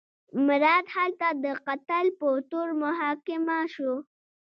مراد هلته د قتل په تور محاکمه شو.